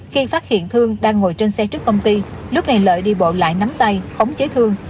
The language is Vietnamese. khi phát hiện thương đang ngồi trên xe trước công ty lúc này lợi đi bộ lại nắm tay khống chế thương